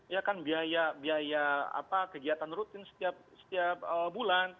ya kan biaya kegiatan rutin setiap bulan